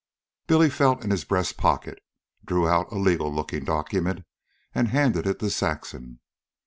Billy felt in his breast pocket, drew out a legal looking document, and handed it to Saxon.